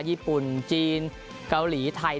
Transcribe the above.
ญี่ปุ่นจีนเกาหลีไทย